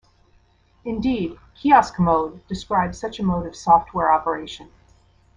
Indeed, "kiosk mode" describes such a mode of software operation.